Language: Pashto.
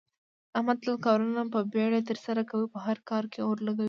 احمد تل کارونه په بیړه ترسره کوي، په هر کار کې اور لگوي.